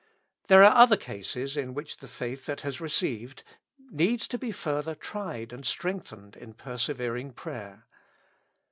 There are other cases in which the faith that has received needs to be still further tried and strengthened in persevering prayer.